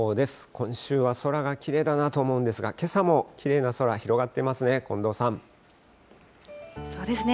今週は空がきれいだなと思うんですが、けさもきれいな空、広がっそうですね。